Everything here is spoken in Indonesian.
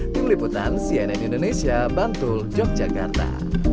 tim liputan cnn indonesia bantul yogyakarta